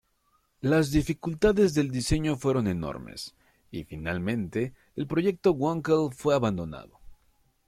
Las dificultades del diseño fueron enormes, y finalmente el proyecto Wankel fue abandonado.